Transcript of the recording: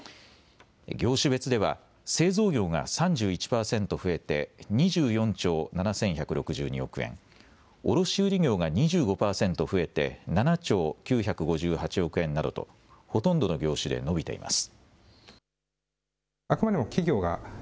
業種別では製造業が３１％増えて２４兆７１６２億円、卸売業が２５％増えて７兆９５８億円などとほとんどの業種で伸びています。